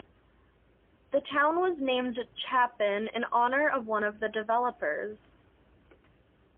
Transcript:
The town was named Chapin in honor of one of the developers.